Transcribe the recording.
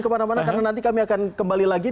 kemana mana karena nanti kami akan kembali lagi